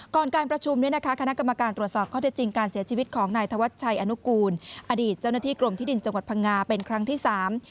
การประชุมเนี่ยนะคะคณะกรรมการตรวจสอบข้อเท็จจริงการเสียชีวิตของนายธวัชชัยอนุกูลอดีตเจ้าหน้าที่กรมที่ดินจังหวัดพังงาเป็นครั้งที่สาม